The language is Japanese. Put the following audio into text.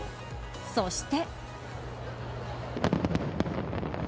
そして。